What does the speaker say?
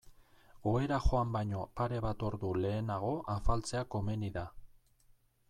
Ohera joan baino pare bat ordu lehenago afaltzea komeni da.